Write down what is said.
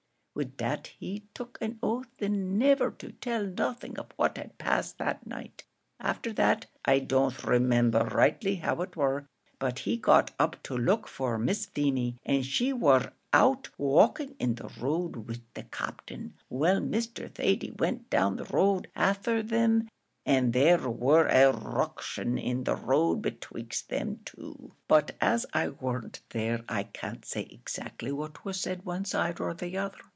Wid that he tuk an oath thin niver to tell nothin' of what had passed that night. After that, I don't remember rightly how it war, but he got up to look for Miss Feemy, and she war out walking in the road wid the Captain. Well, Mr. Thady went down the road afther thim and there war a ruction in the road betwixt thim two; but as I warn't there I can't say exactly what was said one side or the other.